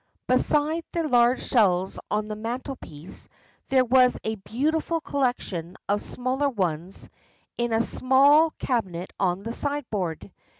Beside the large shells on the mantel piece, there was a beautiful collection of smaller ones in a small cabinet on the sideboard.